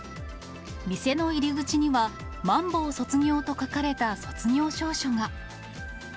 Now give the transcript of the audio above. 店の入り口には、まん防卒業と書かれた卒業証書が。